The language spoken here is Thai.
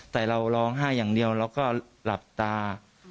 แต่เราร้องไห้อย่างเดียวเราก็หลับตา